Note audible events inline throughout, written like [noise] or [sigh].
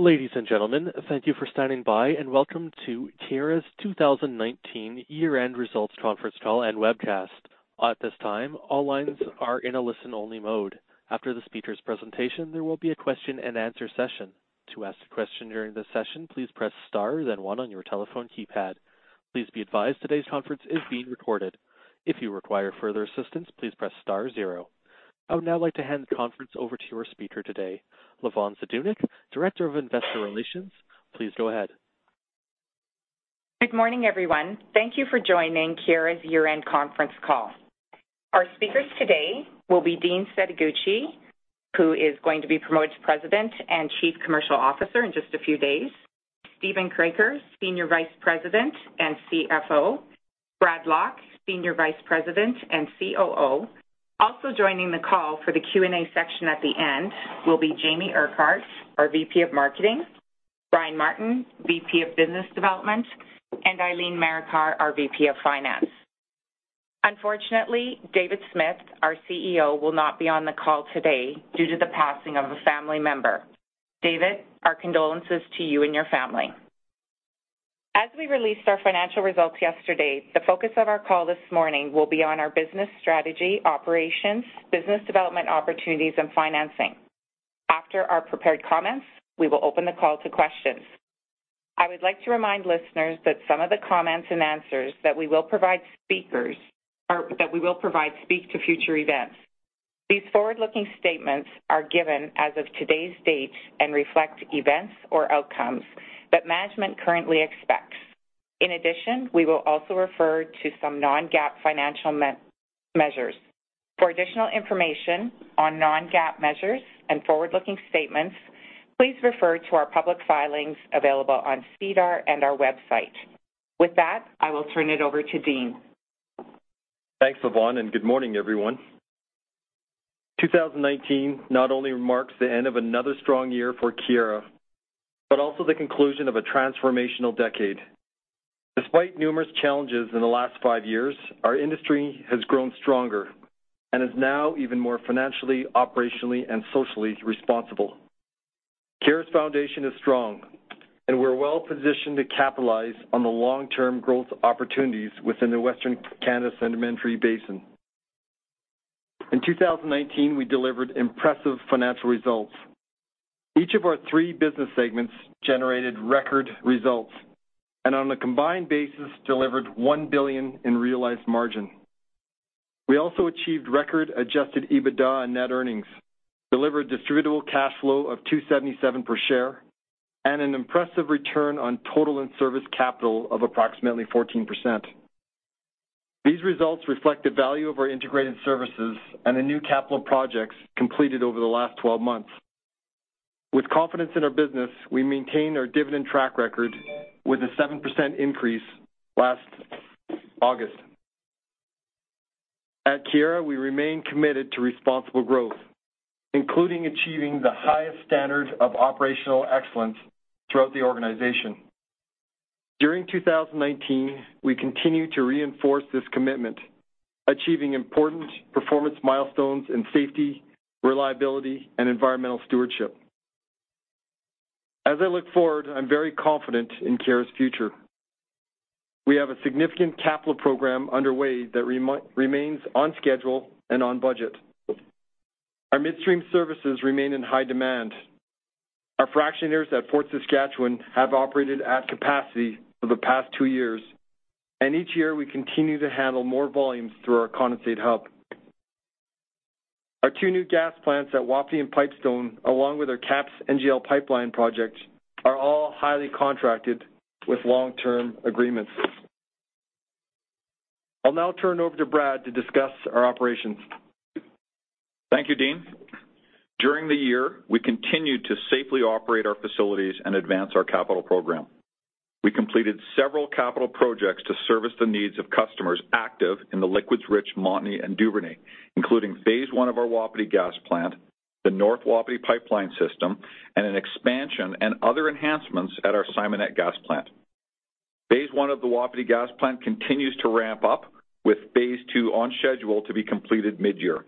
Ladies and gentlemen, thank you for standing by and welcome to Keyera's 2019 Year-End Results Conference Call and Webcast. At this time, all lines are in a listen-only mode. After the speakers' presentation, there will be a question and answer session. To ask a question during the session, please press star then one on your telephone keypad. Please be advised today's conference is being recorded. If you require further assistance, please press star zero. I would now like to hand the conference over to our speaker today, Lavonne Zdunich, Director of Investor Relations. Please go ahead. Good morning, everyone. Thank you for joining Keyera's year-end conference call. Our speakers today will be Dean Setoguchi, who is going to be promoted to President and Chief Commercial Officer in just a few days. Steven Kroeker, Senior Vice President and CFO. Brad Lock, Senior Vice President and COO. Also joining the call for the Q&A section at the end will be Jamie Urquhart, our VP of Marketing, Brian Martin, VP of Business Development, and Eileen Marikar, our VP of Finance. Unfortunately, David Smith, our CEO, will not be on the call today due to the passing of a family member. David, our condolences to you and your family. As we released our financial results yesterday, the focus of our call this morning will be on our business strategy, operations, business development opportunities and financing. After our prepared comments, we will open the call to questions. I would like to remind listeners that some of the comments and answers that we will provide speak to future events. These forward-looking statements are given as of today's date and reflect events or outcomes that management currently expects. In addition, we will also refer to some non-GAAP financial measures. For additional information on non-GAAP measures and forward-looking statements, please refer to our public filings available on SEDAR and our website. With that, I will turn it over to Dean. Thanks, Lavonne. Good morning, everyone. 2019 not only marks the end of another strong year for Keyera, but also the conclusion of a transformational decade. Despite numerous challenges in the last five years, our industry has grown stronger and is now even more financially, operationally, and socially responsible. Keyera's foundation is strong. We're well-positioned to capitalize on the long-term growth opportunities within the Western Canada Sedimentary Basin. In 2019, we delivered impressive financial results. Each of our three business segments generated record results. On a combined basis, delivered 1 billion in realized margin. We also achieved record adjusted EBITDA and net earnings, delivered distributable cash flow of 277 per share, and an impressive return on total in-service capital of approximately 14%. These results reflect the value of our integrated services and the new capital projects completed over the last 12 months. With confidence in our business, we maintain our dividend track record with a 7% increase last August. At Keyera, we remain committed to responsible growth, including achieving the highest standards of operational excellence throughout the organization. During 2019, we continued to reinforce this commitment, achieving important performance milestones in safety, reliability, and environmental stewardship. As I look forward, I'm very confident in Keyera's future. We have a significant capital program underway that remains on schedule and on budget. Our midstream services remain in high demand. Our fractionators at Fort Saskatchewan have operated at capacity for the past two years, and each year we continue to handle more volumes through our condensate hub. Our two new gas plants at Wapiti and Pipestone, along with our KAPS NGL pipeline project, are all highly contracted with long-term agreements. I'll now turn it over to Brad to discuss our operations. Thank you, Dean. During the year, we continued to safely operate our facilities and advance our capital program. We completed several capital projects to service the needs of customers active in the liquids-rich Montney and Duvernay, including phase I of our Wapiti Gas Plant, the North Wapiti Pipeline System, and an expansion and other enhancements at our Simonette Gas Plant. Phase I of the Wapiti Gas Plant continues to ramp up, with phase II on schedule to be completed mid-year.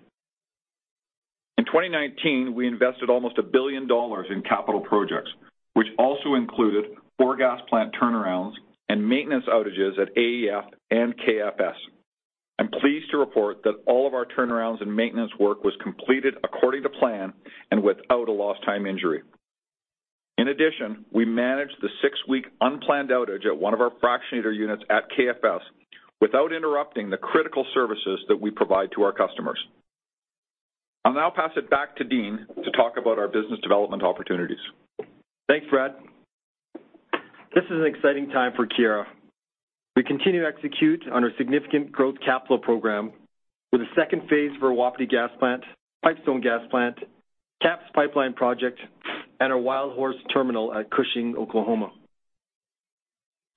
In 2019, we invested almost 1 billion dollars in capital projects, which also included four gas plant turnarounds and maintenance outages at AEF and KFS. I am pleased to report that all of our turnarounds and maintenance work was completed according to plan and without a lost-time injury. In addition, we managed the six-week unplanned outage at one of our fractionator units at KFS without interrupting the critical services that we provide to our customers. I'll now pass it back to Dean to talk about our business development opportunities. Thanks, Brad. This is an exciting time for Keyera. We continue to execute on our significant growth capital program with the second phase for our Wapiti Gas Plant, Pipestone Gas Plant, KAPS Pipeline project, and our Wildhorse Terminal at Cushing, Oklahoma.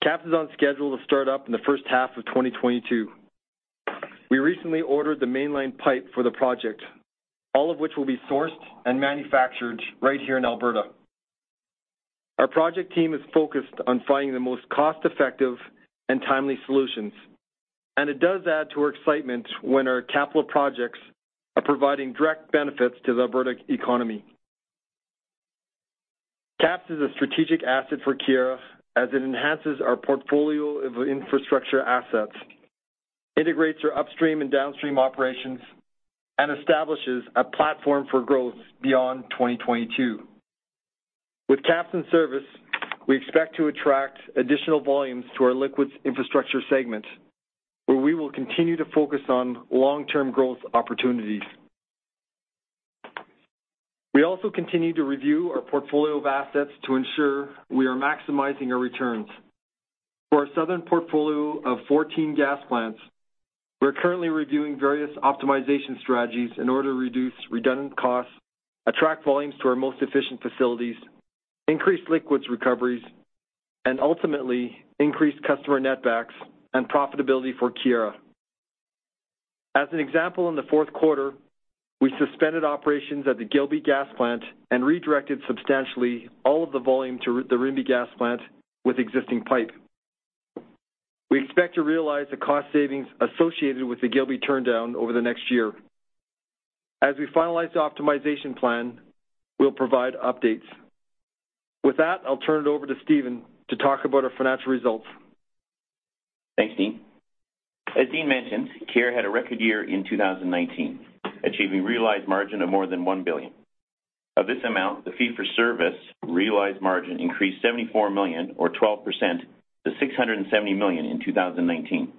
KAPS is on schedule to start up in the first half of 2022. We recently ordered the mainline pipe for the project, all of which will be sourced and manufactured right here in Alberta. Our project team is focused on finding the most cost-effective and timely solutions. It does add to our excitement when our capital projects are providing direct benefits to the Alberta economy. KAPS is a strategic asset for Keyera as it enhances our portfolio of infrastructure assets, integrates our upstream and downstream operations, and establishes a platform for growth beyond 2022. With KAPS in service, we expect to attract additional volumes to our Liquids Infrastructure segment, where we will continue to focus on long-term growth opportunities. We also continue to review our portfolio of assets to ensure we are maximizing our returns. For our southern portfolio of 14 Gas Plants, we're currently reviewing various optimization strategies in order to reduce redundant costs, attract volumes to our most efficient facilities, increase liquids recoveries, and ultimately increase customer netbacks and profitability for Keyera. As an example, in the fourth quarter, we suspended operations at the Gilby Gas Plant and redirected substantially all of the volume to the Rimbey Gas Plant with existing pipe. We expect to realize the cost savings associated with the Gilby turndown over the next year. As we finalize the optimization plan, we'll provide updates. With that, I'll turn it over to Steven to talk about our financial results. Thanks, Dean. As Dean mentioned, Keyera had a record year in 2019, achieving realized margin of more than 1 billion. Of this amount, the fee-for-service realized margin increased 74 million or 12% to 670 million in 2019.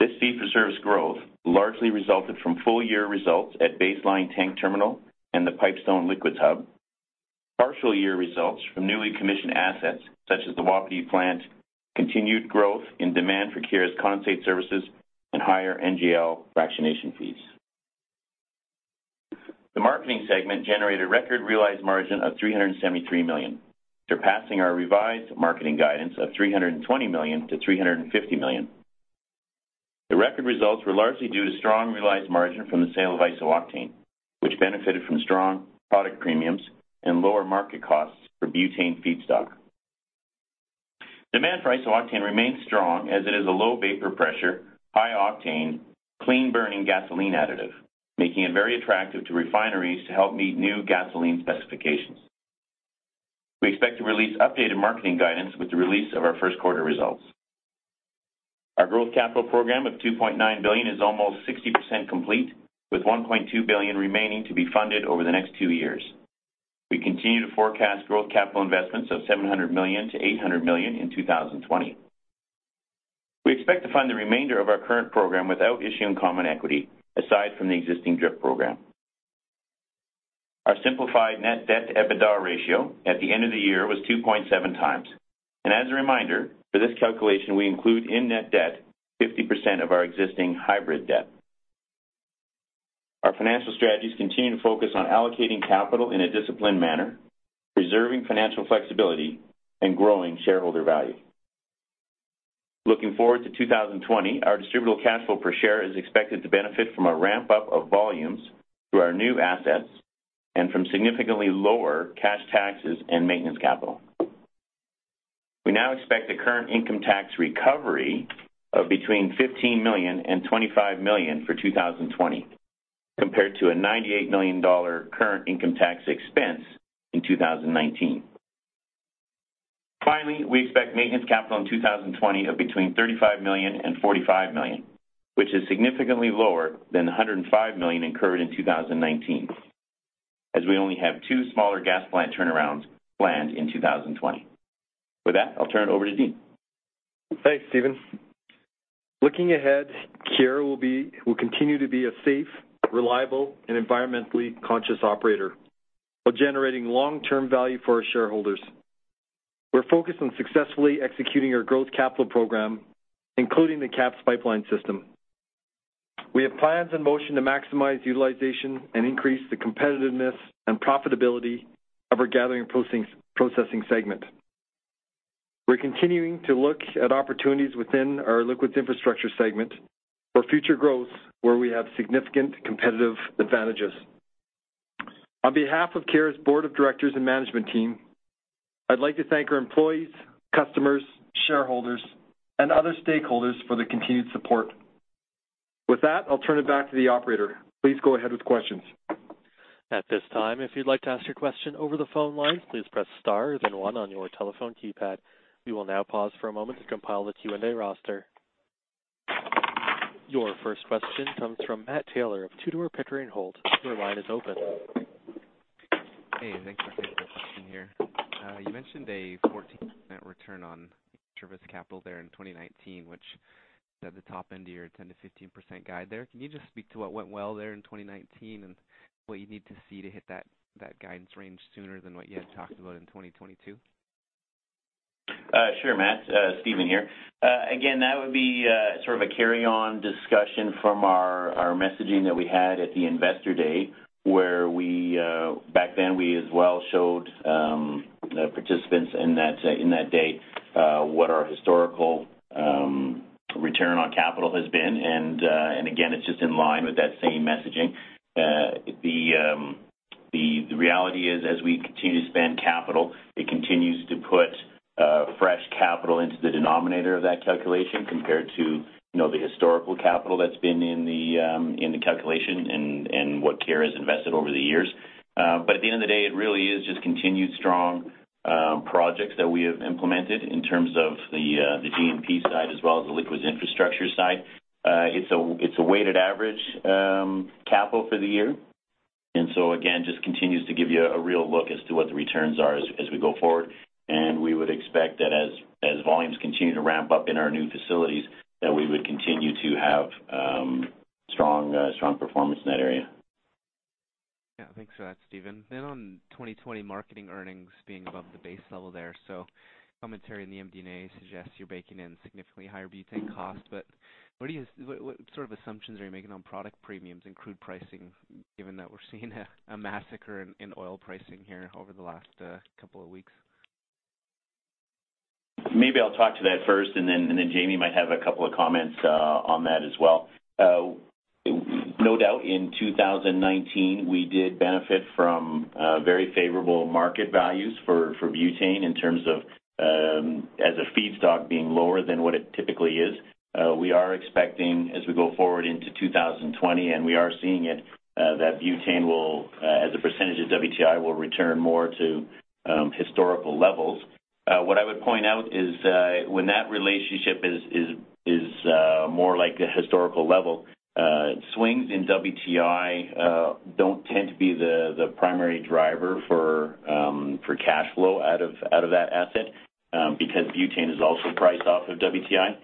This fee-for-service growth largely resulted from full-year results at Baseline Terminal and the Pipestone Liquids Hub, partial year results from newly commissioned assets such as the Wapiti plant, continued growth in demand for Keyera's condensate services, and higher NGL fractionation fees. The marketing segment generated record realized margin of 373 million, surpassing our revised marketing guidance of 320 million-350 million. The record results were largely due to strong realized margin from the sale of iso-octane, which benefited from strong product premiums and lower market costs for butane feedstock. Demand for iso-octane remains strong as it is a low-vapor pressure, high-octane, clean-burning gasoline additive, making it very attractive to refineries to help meet new gasoline specifications. We expect to release updated marketing guidance with the release of our first quarter results. Our growth capital program of 2.9 billion is almost 60% complete, with 1.2 billion remaining to be funded over the next two years. We continue to forecast growth capital investments of 700 million-800 million in 2020. We expect to fund the remainder of our current program without issuing common equity, aside from the existing DRIP program. Our simplified net debt-to-EBITDA ratio at the end of the year was 2.7 times. As a reminder, for this calculation, we include in-net debt 50% of our existing hybrid debt. Our financial strategies continue to focus on allocating capital in a disciplined manner, preserving financial flexibility, and growing shareholder value. Looking forward to 2020, our distributable cash flow per share is expected to benefit from a ramp-up of volumes through our new assets and from significantly lower cash taxes and maintenance capital. We now expect a current income tax recovery of between 15 million and 25 million for 2020, compared to a 98 million dollar current income tax expense in 2019. Finally, we expect maintenance capital in 2020 of between 35 million and 45 million, which is significantly lower than the 105 million incurred in 2019, as we only have two smaller gas plant turnarounds planned in 2020. With that, I'll turn it over to Dean. Thanks, Steven. Looking ahead, Keyera will continue to be a safe, reliable and environmentally conscious operator while generating long-term value for our shareholders. We're focused on successfully executing our growth capital program, including the KAPS pipeline system. We have plans in motion to maximize utilization and increase the competitiveness and profitability of our Gathering and Processing segment. We're continuing to look at opportunities within our Liquids Infrastructure segment for future growth, where we have significant competitive advantages. On behalf of Keyera's Board of Directors and management team, I'd like to thank our employees, customers, shareholders, and other stakeholders for their continued support. With that, I'll turn it back to the operator. Please go ahead with questions. At this time, if you'd like to ask your question over the phone lines, please press star then one on your telephone keypad. We will now pause for a moment to compile the Q&A roster. Your first question comes from Matt Taylor of Tudor, Pickering, Holt. Your line is open. Hey, thanks. I have a question here. You mentioned a 14% return on service capital there in 2019, which is at the top end of your 10%-15% guide there. Can you just speak to what went well there in 2019 and what you need to see to hit that guidance range sooner than what you had talked about in 2022? Sure, Matt. Steven here. Again, that would be sort of a carry-on discussion from our messaging that we had at the Investor Day, where back then we as well showed the participants in that day what our historical return on capital has been. Again, it's just in line with that same messaging. The reality is as we continue to spend capital, it continues to put fresh capital into the denominator of that calculation compared to the historical capital that's been in the calculation and what Keyera has invested over the years. At the end of the day, it really is just continued strong projects that we have implemented in terms of the G&P side as well as the Liquids Infrastructure side. It's a weighted average capital for the year. Again, just continues to give you a real look as to what the returns are as we go forward. We would expect that as volumes continue to ramp up in our new facilities, that we would continue to have strong performance in that area. Yeah. Thanks for that, Steven. On 2020 marketing earnings being above the base level there, commentary in the MD&A suggests you're baking in significantly higher butane costs. What sort of assumptions are you making on product premiums and crude pricing, given that we're seeing a massacre in oil pricing here over the last couple of weeks? Maybe I'll talk to that first, and then Jamie might have a couple of comments on that as well. No doubt, in 2019, we did benefit from very favorable market values for butane in terms of as a feedstock being lower than what it typically is. We are expecting, as we go forward into 2020, and we are seeing it, that butane, as a percentage of WTI, will return more to historical levels. What I would point out is when that relationship is more like a historical level, swings in WTI don't tend to be the primary driver for cash flow out of that asset, because butane is also priced off of WTI.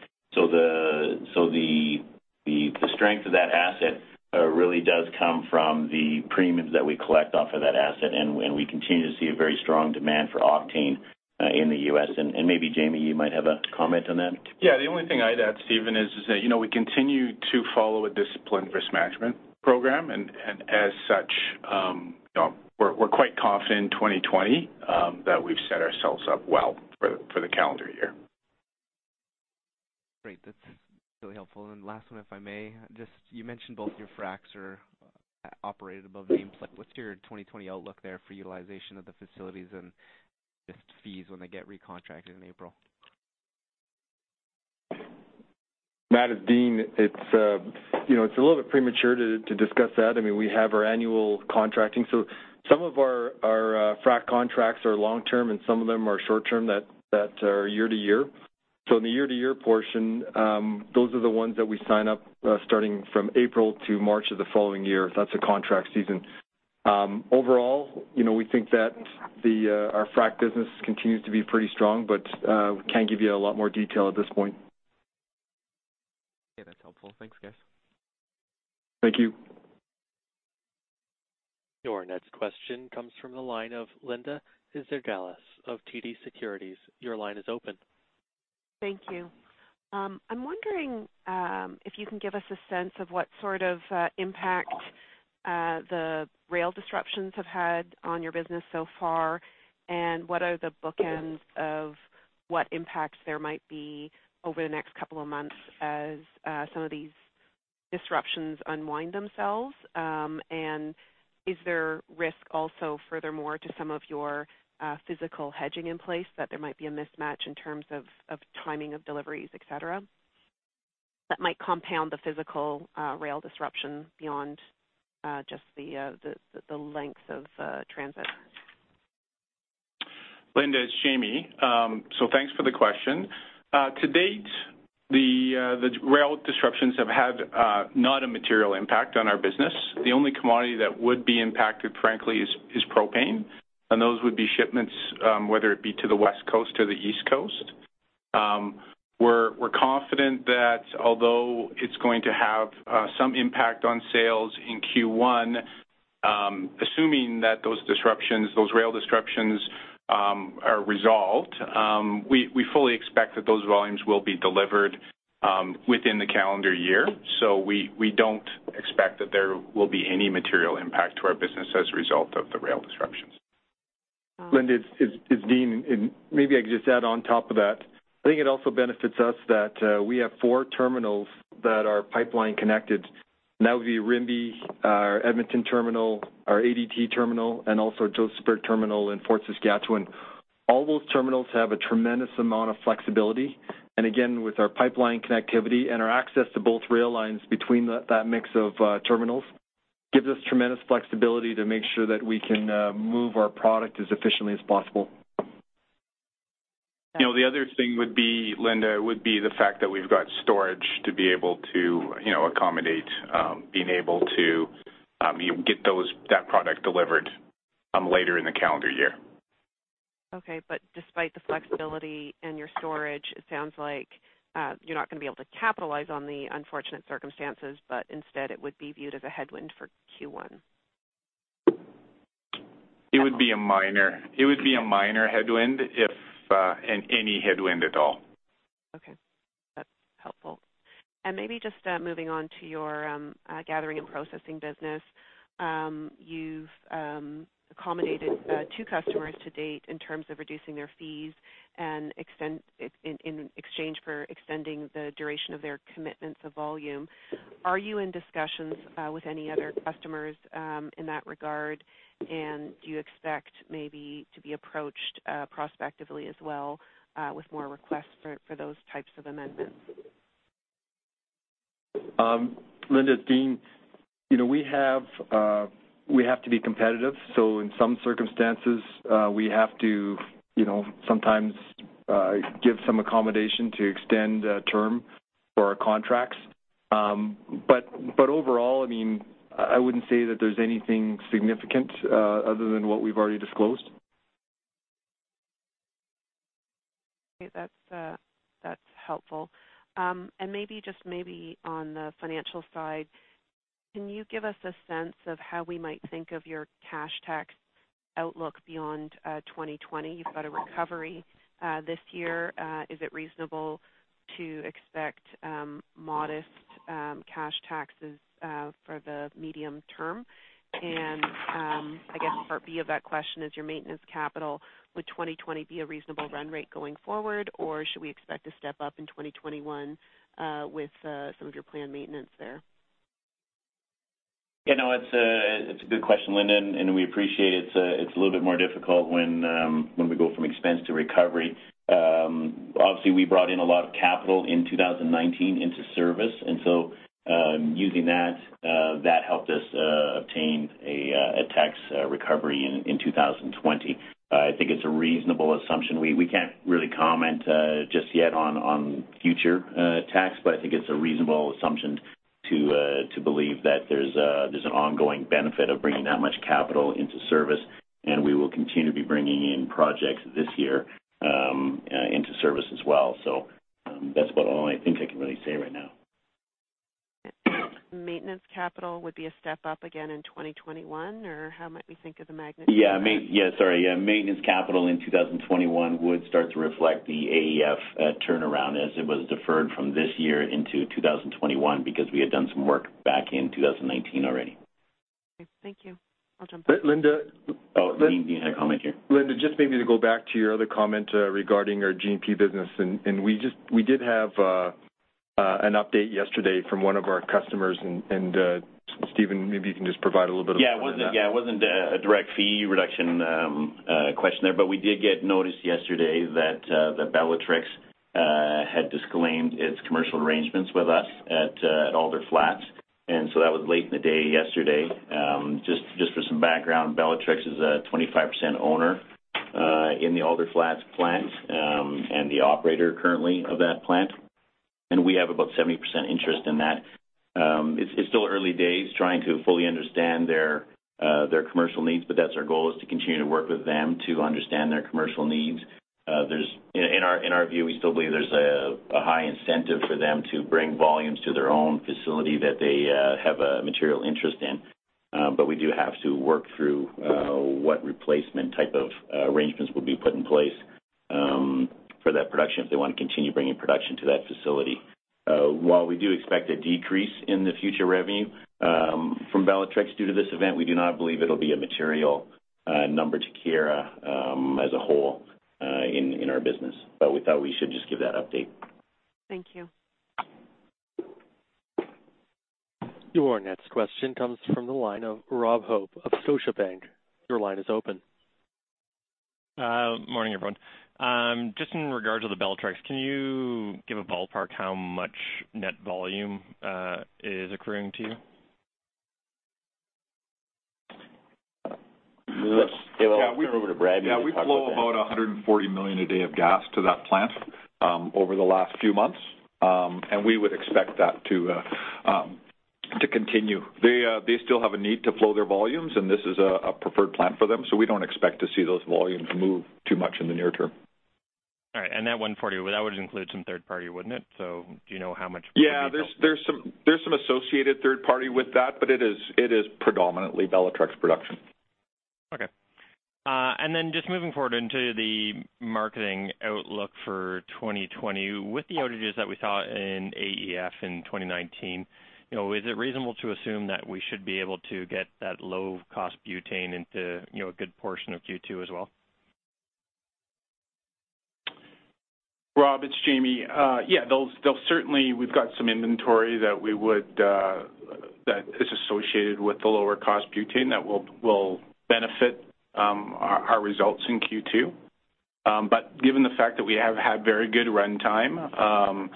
The strength of that asset really does come from the premiums that we collect off of that asset. We continue to see a very strong demand for octane in the U.S. Maybe Jamie, you might have a comment on that. Yeah. The only thing I'd add, Steven, is that we continue to follow a disciplined risk management program, and as such we're quite confident in 2020 that we've set ourselves up well for the calendar year. Great. That's really helpful. Last one, if I may. You mentioned both your fracs are operated above nameplate. What's your 2020 outlook there for utilization of the facilities and just fees when they get recontracted in April? Matt, it's Dean. It's a little bit premature to discuss that. We have our annual contracting. Some of our frac contracts are long-term, and some of them are short-term that are year to year. In the year to year portion, those are the ones that we sign up starting from April to March of the following year. That's the contract season. We think that our frac business continues to be pretty strong, but we can't give you a lot more detail at this point. Okay. That's helpful. Thanks, guys. Thank you. Your next question comes from the line of Linda Ezergailis of TD Securities. Your line is open. Thank you. I'm wondering if you can give us a sense of what sort of impact the rail disruptions have had on your business so far, and what are the bookends of what impacts there might be over the next couple of months as some of these disruptions unwind themselves? Is there risk also, furthermore, to some of your physical hedging in place that there might be a mismatch in terms of timing of deliveries, et cetera, that might compound the physical rail disruption beyond just the lengths of transit? Linda, it's Jamie. Thanks for the question. To date, the rail disruptions have had not a material impact on our business. The only commodity that would be impacted, frankly, is propane. Those would be shipments, whether it be to the West Coast or the East Coast. We're confident that although it's going to have some impact on sales in Q1, assuming that those rail disruptions are resolved, we fully expect that those volumes will be delivered within the calendar year. We don't expect that there will be any material impact to our business as a result of the rail disruptions. Linda, it's Dean. Maybe I could just add on top of that. I think it also benefits us that we have four terminals that are pipeline connected. That would be Rimbey, our Edmonton terminal, our ADT terminal, and also our Josephburg terminal in Fort Saskatchewan. All those terminals have a tremendous amount of flexibility. Again, with our pipeline connectivity and our access to both rail lines between that mix of terminals gives us tremendous flexibility to make sure that we can move our product as efficiently as possible. The other thing would be, Linda, would be the fact that we've got storage to be able to accommodate being able to get that product delivered later in the calendar year. Okay. Despite the flexibility and your storage, it sounds like you're not going to be able to capitalize on the unfortunate circumstances, but instead it would be viewed as a headwind for Q1. It would be a minor headwind, if any headwind at all. Okay. Maybe just moving on to your Gathering and Processing business. You've accommodated two customers to date in terms of reducing their fees and in exchange for extending the duration of their commitments of volume. Are you in discussions with any other customers in that regard? Do you expect maybe to be approached prospectively as well with more requests for those types of amendments? Linda, it's Dean. We have to be competitive, so in some circumstances, we have to sometimes give some accommodation to extend a term for our contracts. Overall, I wouldn't say that there's anything significant other than what we've already disclosed. Okay. That's helpful. Maybe just maybe on the financial side, can you give us a sense of how we might think of your cash tax outlook beyond 2020? You've got a recovery this year. Is it reasonable to expect modest cash taxes for the medium-term? I guess part B of that question is your maintenance capital, would 2020 be a reasonable run rate going forward, or should we expect a step up in 2021 with some of your planned maintenance there? Yeah, no, it's a good question, Linda, and we appreciate it. It's a little bit more difficult when we go from expense to recovery. Obviously, we brought in a lot of capital in 2019 into service. Using that helped us obtain a tax recovery in 2020. I think it's a reasonable assumption. We can't really comment just yet on future tax, but I think it's a reasonable assumption to believe that there's an ongoing benefit of bringing that much capital into service. We will continue to be bringing in projects this year into service as well. That's about all I think I can really say right now. Maintenance capital would be a step up again in 2021, or how might we think of the magnitude of that? Yeah. Sorry. Yeah. Maintenance capital in 2021 would start to reflect the AEF turnaround as it was deferred from this year into 2021 because we had done some work back in 2019 already. Okay. Thank you. I'll jump back. Linda- Oh, Dean, you had a comment here. Linda, just maybe to go back to your other comment regarding our G&P business, we did have an update yesterday from one of our customers, Steven, maybe you can just provide a little bit of a comment on that. Yeah. It wasn't a direct fee reduction question there. We did get notice yesterday that Bellatrix had disclaimed its commercial arrangements with us at Alder Flats. That was late in the day yesterday. Just for some background, Bellatrix is a 25% owner in the Alder Flats plant, and the operator currently of that plant. We have about 70% interest in that. It's still early days trying to fully understand their commercial needs, but that's our goal is to continue to work with them to understand their commercial needs. In our view, we still believe there's a high incentive for them to bring volumes to their own facility that they have a material interest in. We do have to work through what replacement type of arrangements will be put in place for that production if they want to continue bringing production to that facility. While we do expect a decrease in the future revenue from Bellatrix due to this event, we do not believe it'll be a material number to Keyera as a whole in our business. We thought we should just give that update. Thank you. Your next question comes from the line of Rob Hope of Scotiabank. Your line is open. Morning, everyone. Just in regards to the Bellatrix, can you give a ballpark how much net volume is accruing to you? Yeah. I'll turn over to Brad and he can talk about that. Yeah. We flow about 140 million a day of gas to that plant over the last few months. We would expect that to continue. They still have a need to flow their volumes, and this is a preferred plant for them, so we don't expect to see those volumes move too much in the near term. All right. That 140, that would include some third party, wouldn't it? Do you know how much would be? Yeah. There's some associated third party with that, but it is predominantly Bellatrix production. Okay. Just moving forward into the marketing outlook for 2020. With the outages that we saw in AEF in 2019, is it reasonable to assume that we should be able to get that low-cost butane into a good portion of Q2 as well? Rob, it's Jamie. Certainly, we've got some inventory that is associated with the lower-cost butane that will benefit our results in Q2. Given the fact that we have had very good runtime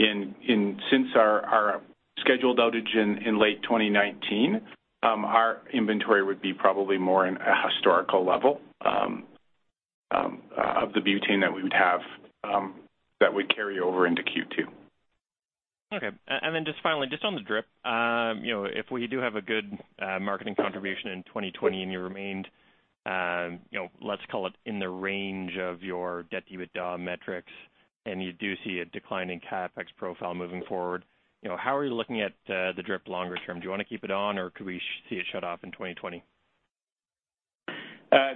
since our scheduled outage in late 2019, our inventory would be probably more in a historical level of the butane that we would have that we carry over into Q2. Okay. Just finally, just on the DRIP. If we do have a good marketing contribution in 2020 and you remained, let's call it in the range of your debt-EBITDA metrics, and you do see a decline in CapEx profile moving forward, how are you looking at the DRIP longer term? Do you want to keep it on, or could we see it shut off in 2020?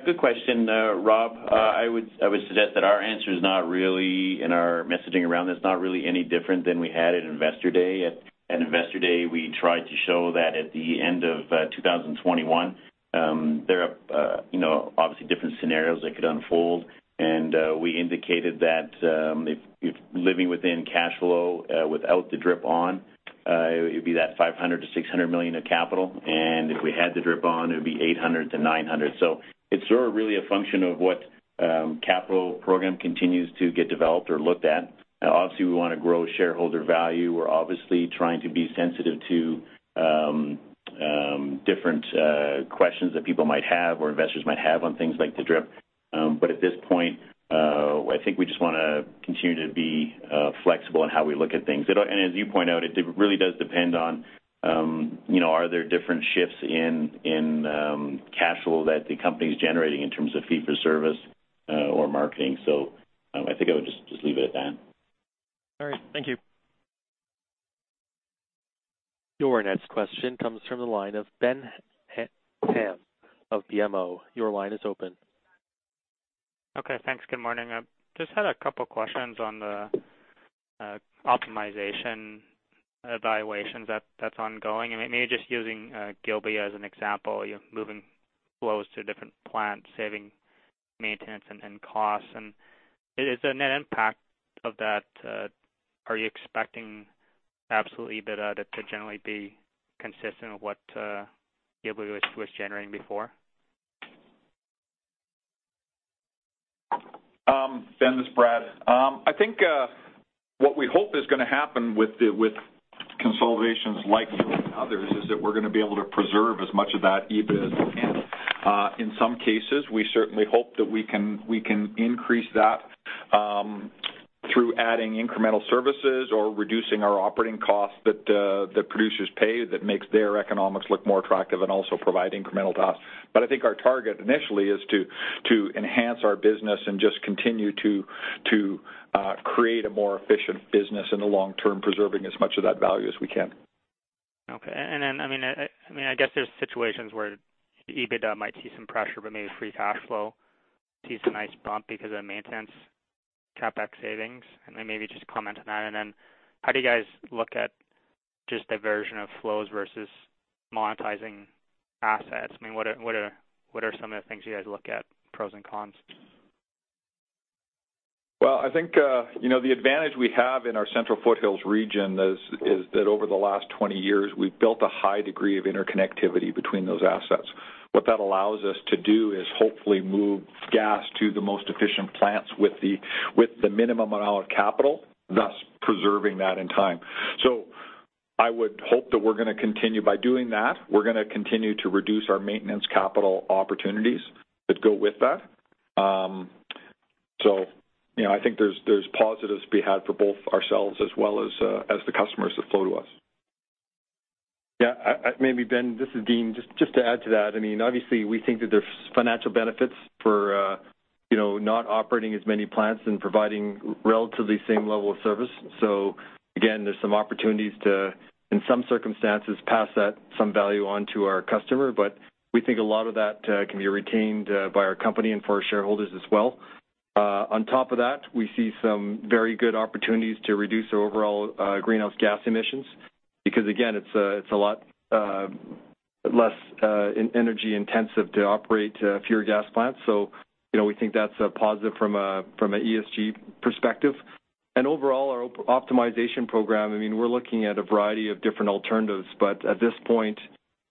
Good question, Rob. I would suggest that our answer is not really, in our messaging around this, not really any different than we had at Investor Day. At Investor Day, we tried to show that at the end of 2021, there are obviously different scenarios that could unfold, and we indicated that if living within cash flow without the DRIP on, it would be that 500 million-600 million of capital, and if we had the DRIP on, it would be 800 million-900 million. It's sort of really a function of what capital program continues to get developed or looked at. Obviously, we want to grow shareholder value. We're obviously trying to be sensitive to different questions that people might have or investors might have on things like the DRIP. At this point, I think we just want to continue to be flexible in how we look at things. As you point out, it really does depend on, are there different shifts in cash flow that the company's generating in terms of fee for service or marketing? I think I would just leave it at that. All right. Thank you. Your next question comes from the line of Ben Pham of BMO. Your line is open. Okay, thanks. Good morning. I just had a couple questions on the optimization evaluations that's ongoing. Maybe just using Gilby as an example, you're moving flows to a different plant, saving maintenance and costs. Is the net impact of that, are you expecting absolutely that to generally be consistent with what Gilby was generating before? Ben, this is Brad. I think what we hope is going to happen with consolidations like Gilby and others, is that we're going to be able to preserve as much of that EBIT as we can. In some cases, we certainly hope that we can increase that through adding incremental services or reducing our operating costs that producers pay that makes their economics look more attractive and also provide incremental to us. I think our target initially is to enhance our business and just continue to create a more efficient business in the long term, preserving as much of that value as we can. Okay. I guess there's situations where the EBITDA might see some pressure, but maybe free cash flow sees a nice bump because of the maintenance CapEx savings. Maybe just comment on that. How do you guys look at just diversion of flows versus monetizing assets? What are some of the things you guys look at, pros and cons? Well, I think the advantage we have in our Central Foothills region is that over the last 20 years, we've built a high degree of interconnectivity between those assets. What that allows us to do is hopefully move gas to the most efficient plants with the minimum amount of capital, thus preserving that in time. I would hope that we're going to continue by doing that. We're going to continue to reduce our maintenance capital opportunities that go with that. I think there's positives to be had for both ourselves as well as the customers that flow to us. Yeah. Maybe Ben, this is Dean. Just to add to that, obviously, we think that there's financial benefits for not operating as many plants and providing relatively same level of service. Again, there's some opportunities to, in some circumstances, pass that, some value on to our customer. We think a lot of that can be retained by our company and for our shareholders as well. On top of that, we see some very good opportunities to reduce our overall greenhouse gas emissions, because again, it's a lot less energy-intensive to operate fewer gas plants. We think that's a positive from an ESG perspective. Overall, our optimization program, we're looking at a variety of different alternatives, but at this point,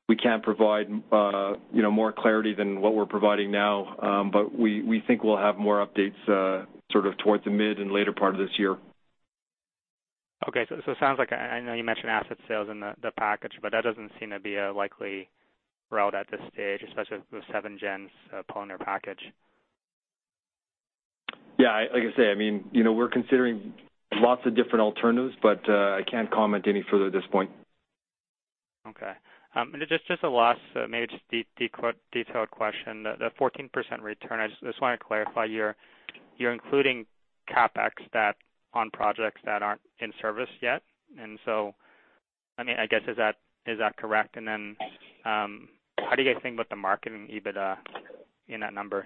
we can't provide more clarity than what we're providing now. We think we'll have more updates sort of towards the mid and later part of this year. Okay. It sounds like I know you mentioned asset sales in the package, but that doesn't seem to be a likely route at this stage, especially with Seven Gens pulling their package. Yeah. Like I say, we're considering lots of different alternatives, but I can't comment any further at this point. Okay. Just a last, maybe just detailed question. The 14% return, I just want to clarify, you're including CapEx on projects that aren't in service yet. I guess, is that correct? How do you guys think about the marketing EBITDA in that number?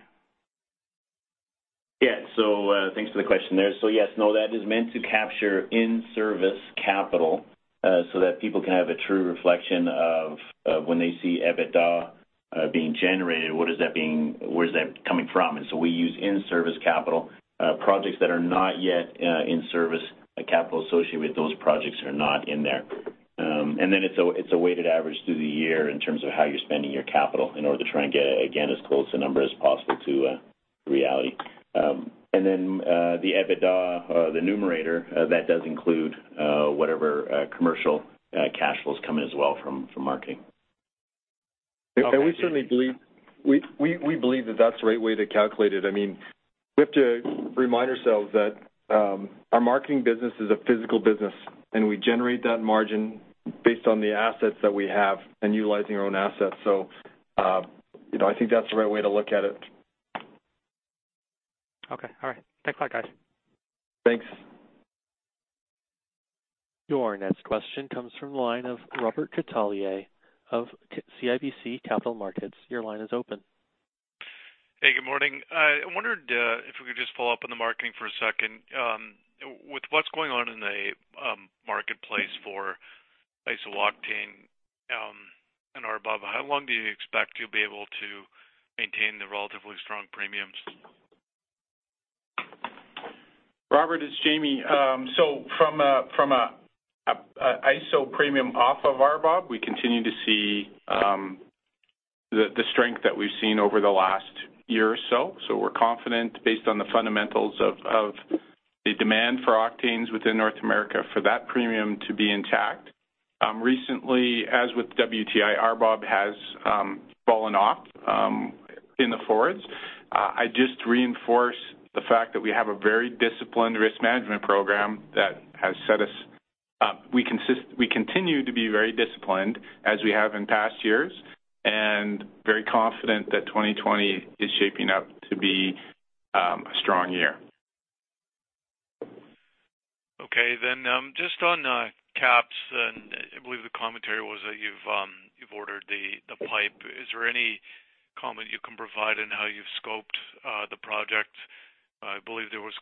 Thanks for the question there. Yes, no, that is meant to capture in-service capital so that people can have a true reflection of when they see EBITDA being generated, where's that coming from? We use in-service capital. Projects that are not yet in service, capital associated with those projects are not in there. It's a weighted average through the year in terms of how you're spending your capital in order to try and get, again, as close a number as possible to reality. The EBITDA, the numerator, that does include whatever commercial cash flows come in as well from marketing. Okay. We certainly believe that that's the right way to calculate it. We have to remind ourselves that our marketing business is a physical business, and we generate that margin based on the assets that we have and utilizing our own assets. I think that's the right way to look at it. Okay. All right. Thanks a lot, guys. Thanks. Your next question comes from the line of Robert Catellier of CIBC Capital Markets. Your line is open. Hey, good morning. I wondered if we could just follow up on the marketing for a second. With what's going on in the marketplace for iso-octane and RBOB, how long do you expect you'll be able to maintain the relatively strong premiums? Robert, it's Jamie. From an iso premium off of RBOB, we continue to see the strength that we've seen over the last year or so. We're confident, based on the fundamentals of the demand for octanes within North America, for that premium to be intact. Recently, as with WTI, RBOB has fallen off in the forwards. I'd just reinforce the fact that we have a very disciplined risk management program. We continue to be very disciplined as we have in past years, and very confident that 2020 is shaping up to be a strong year. Okay, just on KAPS, I believe the commentary was that you've ordered the pipe. Is there any comment you can provide on how you've scoped the project? I believe there was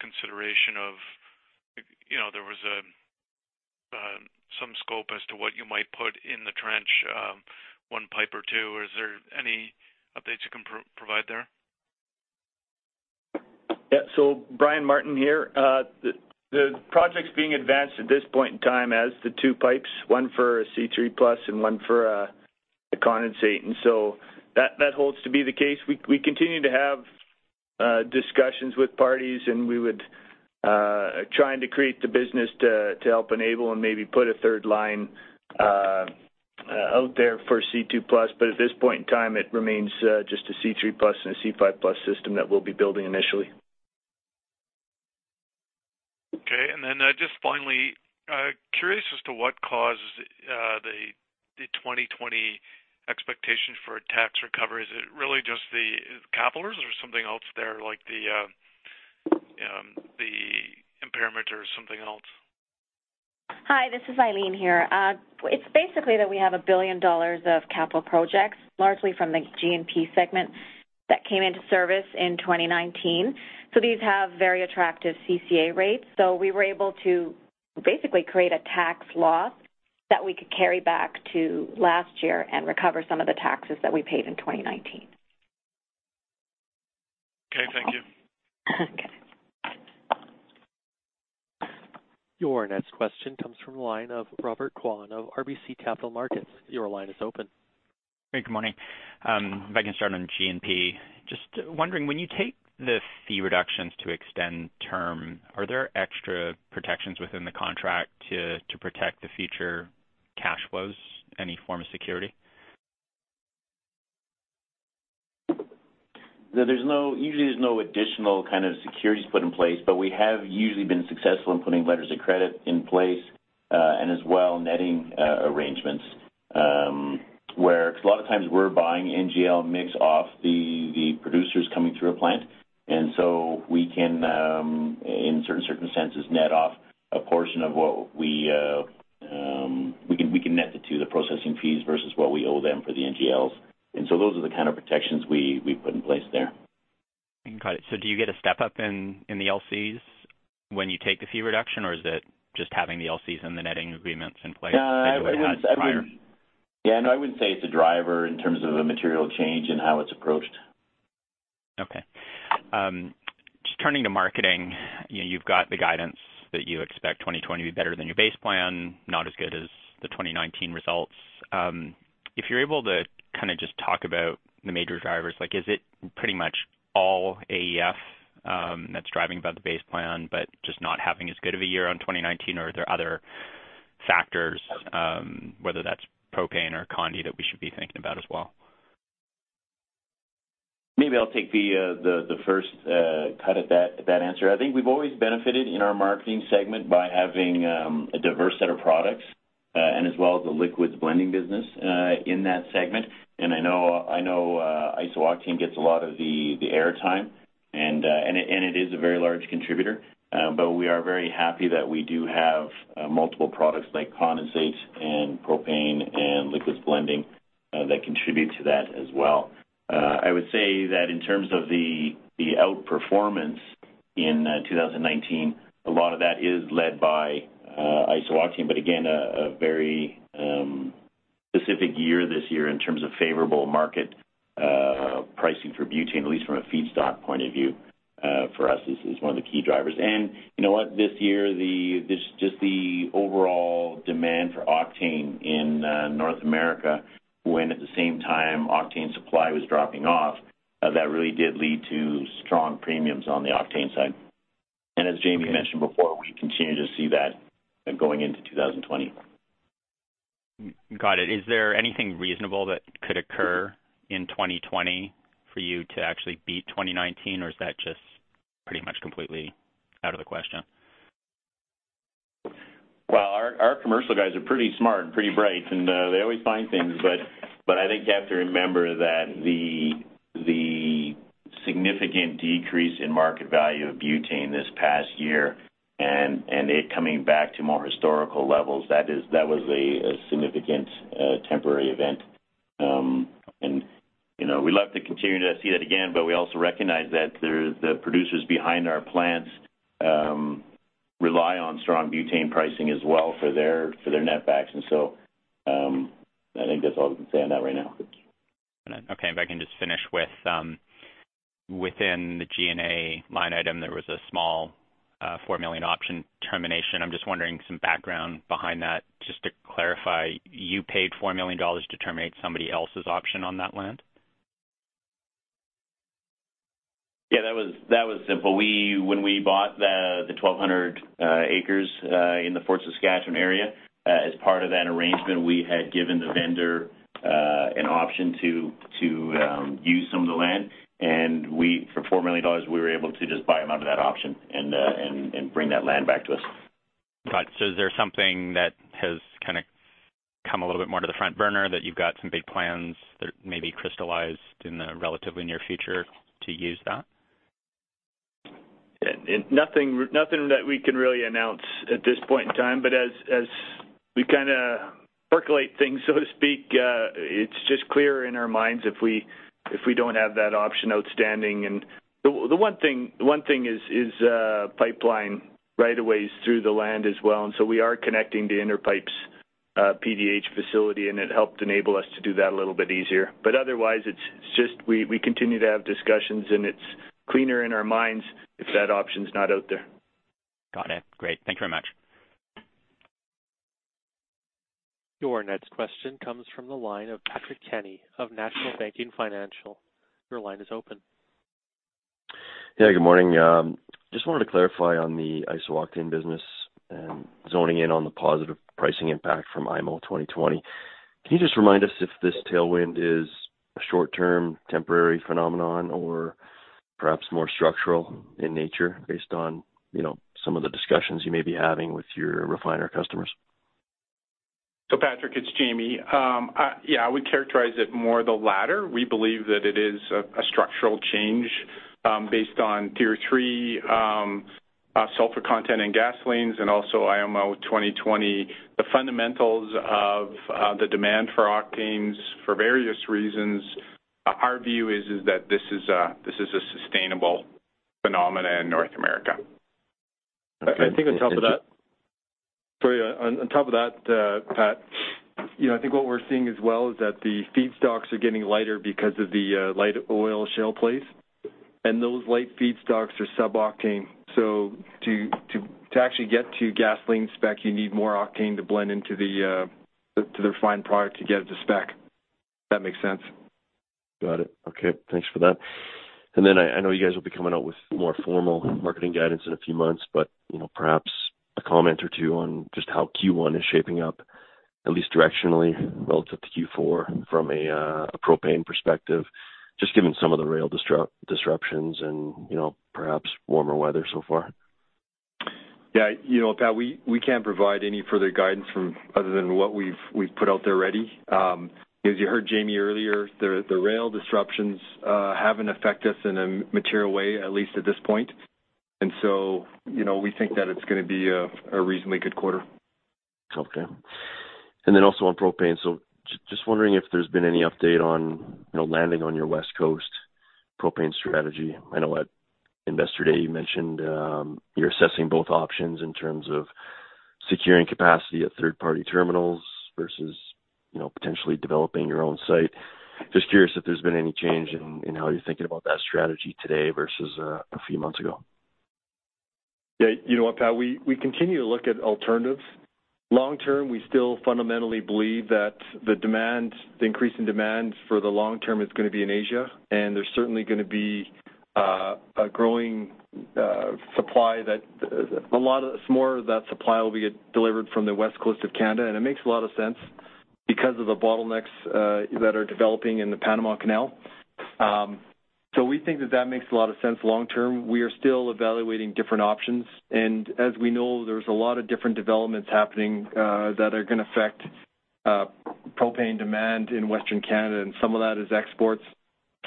some scope as to what you might put in the trench, one pipe or two. Is there any updates you can provide there? Brian Martin here. The project's being advanced at this point in time as the two pipes, one for C3+ and one for the condensate, that holds to be the case. We continue to have discussions with parties, trying to create the business to help enable and maybe put a third line out there for C2+. At this point in time, it remains just a C3+ and a C5+ system that we'll be building initially. Okay, just finally, curious as to what caused the 2020 expectation for a tax recovery. Is it really just the capital, or is there something else there like the impairment or something else? Hi, this is Eileen here. It's basically that we have 1 billion dollars of capital projects, largely from the G&P segment, that came into service in 2019. These have very attractive CCA rates. We were able to basically create a tax loss that we could carry back to last year and recover some of the taxes that we paid in 2019. Okay, thank you. Okay. Your next question comes from the line of Robert Kwan of RBC Capital Markets. Your line is open. Hey, good morning. If I can start on G&P. Just wondering, when you take the fee reductions to extend term, are there extra protections within the contract to protect the future cash flows? Any form of security? Usually, there's no additional kind of securities put in place, but we have usually been successful in putting Letters of Credit in place, and as well, netting arrangements. Because a lot of times we're buying NGL mix off the producers coming through a plant. We can, in certain circumstances, net it to the processing fees versus what we owe them for the NGLs. Those are the kind of protections we put in place there. Got it. Do you get a step-up in the LCs when you take the fee reduction, or is it just having the LCs and the netting agreements in place [crosstalk] prior? Yeah, no, I wouldn't say it's a driver in terms of a material change in how it's approached. Okay. Just turning to marketing, you've got the guidance that you expect 2020 to be better than your base plan, not as good as the 2019 results. If you're able to kind of just talk about the major drivers, is it pretty much all AEF that's driving above the base plan, but just not having as good of a year on 2019, or are there other factors, whether that's propane or conde that we should be thinking about as well? Maybe I'll take the first cut at that answer. I think we've always benefited in our marketing segment by having a diverse set of products, and as well as the liquids blending business in that segment. I know iso-octane gets a lot of the air time, and it is a very large contributor. We are very happy that we do have multiple products like condensate and propane and liquids blending that contribute to that as well. I would say that in terms of the out-performance in 2019, a lot of that is led by iso-octane, but again, a very specific year this year in terms of favorable market pricing for butane, at least from a feedstock point of view, for us is one of the key drivers. You know what, this year, just the overall demand for octane in North America, when at the same time octane supply was dropping off, that really did lead to strong premiums on the octane side. As Jamie mentioned before, we continue to see that going into 2020. Got it. Is there anything reasonable that could occur in 2020 for you to actually beat 2019, or is that just pretty much completely out of the question? Well, our commercial guys are pretty smart and pretty bright, and they always find things. I think you have to remember that the significant decrease in market value of butane this past year, and it coming back to more historical levels. That was a significant temporary event. We'd love to continue to see that again, but we also recognize that the producers behind our plants rely on strong butane pricing as well for their net backs. I think that's all we can say on that right now. Okay. If I can just finish with, within the G&A line item, there was a small 4 million option termination. I am just wondering some background behind that. Just to clarify, you paid 4 million dollars to terminate somebody else's option on that land? Yeah, that was simple. When we bought the 1,200 acres in the Fort Saskatchewan area, as part of that arrangement, we had given the vendor an option to use some of the land. For 4 million dollars, we were able to just buy him out of that option and bring that land back to us. Got it. Is there something that has come a little bit more to the front burner that you've got some big plans that may be crystallized in the relatively near future to use that? Nothing that we can really announce at this point in time, but as we percolate things, so to speak, it's just clearer in our minds if we don't have that option outstanding. The one thing is pipeline right of ways through the land as well. We are connecting to Inter Pipeline's PDH facility, and it helped enable us to do that a little bit easier. Otherwise, we continue to have discussions, and it's cleaner in our minds if that option's not out there. Got it. Great. Thank you very much. Your next question comes from the line of Patrick Kenny of National Bank Financial. Your line is open. Yeah, good morning. Just wanted to clarify on the iso-octane business and zoning in on the positive pricing impact from IMO 2020. Can you just remind us if this tailwind is a short-term temporary phenomenon or perhaps more structural in nature based on some of the discussions you may be having with your refiner customers? Patrick, it's Jamie. Yeah, I would characterize it more the latter. We believe that it is a structural change based on Tier 3 sulfur content in gasolines and also IMO 2020. The fundamentals of the demand for octanes for various reasons, our view is that this is a sustainable phenomenon in North America. Okay. Sorry. On top of that, Pat, I think what we're seeing as well is that the feedstocks are getting lighter because of the light oil shale plays. Those light feedstocks are sub-octane. To actually get to gasoline spec, you need more octane to blend into the refined product to get it to spec. If that makes sense. Got it. Okay, thanks for that. I know you guys will be coming out with more formal marketing guidance in a few months, but perhaps a comment or two on just how Q1 is shaping up, at least directionally relative to Q4 from a propane perspective, just given some of the rail disruptions and perhaps warmer weather so far. Yeah, Pat, we can't provide any further guidance other than what we've put out there already. As you heard Jamie earlier, the rail disruptions haven't affected us in a material way, at least at this point. So, we think that it's going to be a reasonably good quarter. Okay. Also on propane. Just wondering if there's been any update on landing on your West Coast propane strategy. I know at Investor Day, you mentioned you're assessing both options in terms of securing capacity at third-party terminals versus potentially developing your own site. Just curious if there's been any change in how you're thinking about that strategy today versus a few months ago. Yeah, you know what, Pat? We continue to look at alternatives. Long term, we still fundamentally believe that the increase in demand for the long term is going to be in Asia. There's certainly going to be a growing supply that a lot more of that supply will be delivered from the West Coast of Canada. It makes a lot of sense because of the bottlenecks that are developing in the Panama Canal. We think that that makes a lot of sense long term. We are still evaluating different options, and as we know, there's a lot of different developments happening that are going to affect propane demand in Western Canada. Some of that is exports,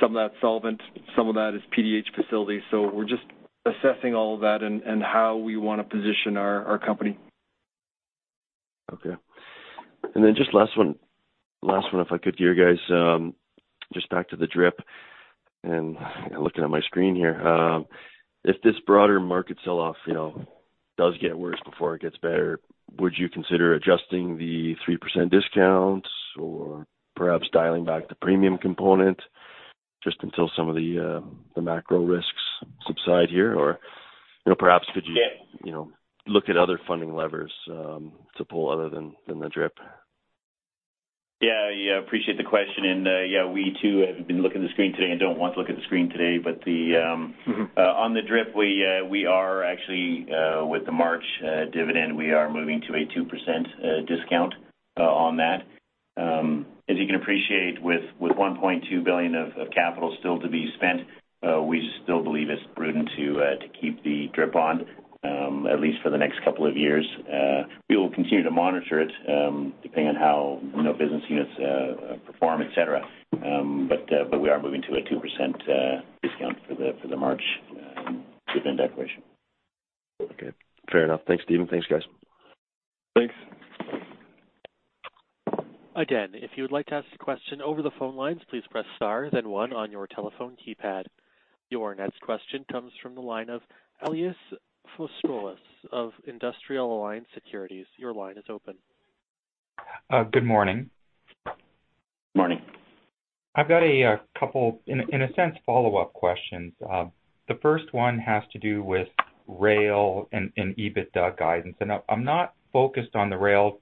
some of that's solvent, some of that is PDH facilities. We're just assessing all of that and how we want to position our company. Okay. Just last one. Last one if I could to you guys. Just back to the DRIP. Looking at my screen here. If this broader market sell-off does get worse before it gets better, would you consider adjusting the 3% discount or perhaps dialing back the premium component just until some of the macro risks subside here or perhaps could you look at other funding levers to pull other than the DRIP? Yeah. Appreciate the question. Yeah, we too have been looking at the screen today and don't want to look at the screen today. On the DRIP, we are actually with the March dividend, we are moving to a 2% discount on that. As you can appreciate, with 1.2 billion of capital still to be spent, we still believe it's prudent to keep the DRIP on, at least for the next couple of years. We will continue to monitor it, depending on how business units perform, et cetera. We are moving to a 2% discount for the March dividend declaration. Okay, fair enough. Thanks, Steven. Thanks, guys. Thanks. If you would like to ask a question over the phone lines, please press star then one on your telephone keypad. Your next question comes from the line of Elias Foscolos of Industrial Alliance Securities. Your line is open. Good morning. Morning. I've got a couple, in a sense, follow-up questions. The first one has to do with rail and EBITDA guidance. I'm not focused on the rail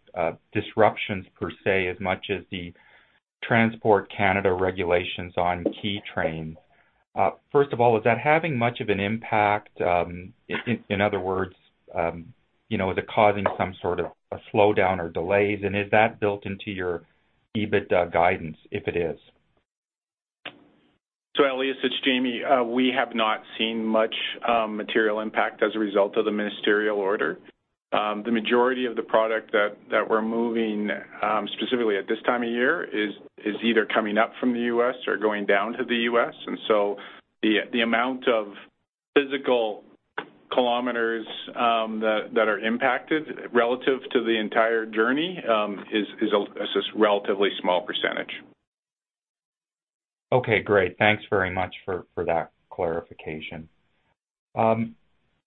disruptions per se, as much as the Transport Canada regulations on Key Train. First of all, is that having much of an impact? In other words, is it causing some sort of a slowdown or delays, and is that built into your EBITDA guidance, if it is? Elias, it's Jamie. We have not seen much material impact as a result of the ministerial order. The majority of the product that we're moving, specifically at this time of year, is either coming up from the U.S. or going down to the U.S. The amount of physical kilometers that are impacted relative to the entire journey is a relatively small percentage. Okay, great. Thanks very much for that clarification.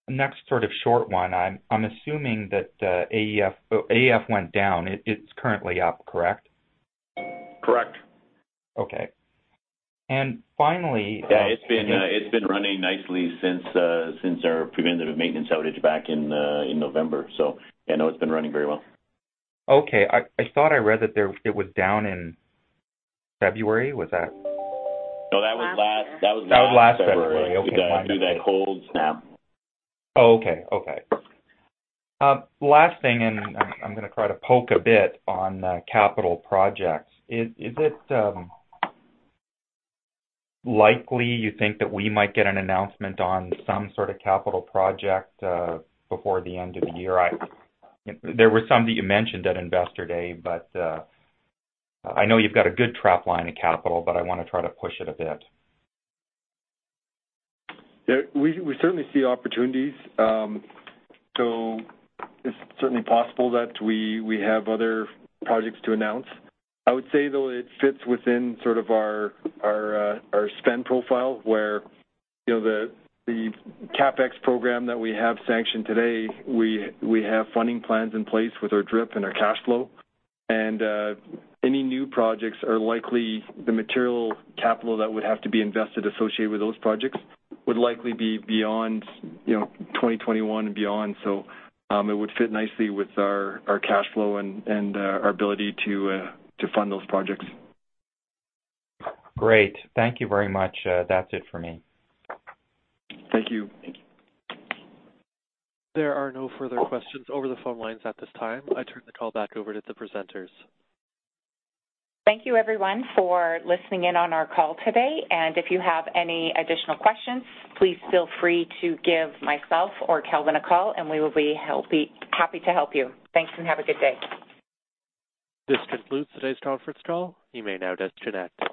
Next short one. I'm assuming that AEF went down. It's currently up, correct? Correct. Okay. Yeah, it's been running nicely since our preventative maintenance outage back in November. Yeah, no, it's been running very well. Okay. I thought I read that it was down in February. Was that- That was last February. Due to that cold snap. Oh, okay. Last thing, I'm going to try to poke a bit on capital projects. Is it likely, you think, that we might get an announcement on some sort of capital project before the end of the year? There were some that you mentioned at Investor Day, but I know you've got a good trap line of capital, but I want to try to push it a bit. Yeah, we certainly see opportunities. It's certainly possible that we have other projects to announce. I would say, though, it fits within our spend profile, where the CapEx program that we have sanctioned today, we have funding plans in place with our DRIP and our cash flow. Any new projects are likely the material capital that would have to be invested associated with those projects would likely be 2021 and beyond. It would fit nicely with our cash flow and our ability to fund those projects. Great. Thank you very much. That's it for me. Thank you. There are no further questions over the phone lines at this time. I turn the call back over to the presenters. Thank you everyone for listening in on our call today. If you have any additional questions, please feel free to give myself or Calvin a call, and we will be happy to help you. Thanks. Have a good day. This concludes today's conference call. You may now disconnect.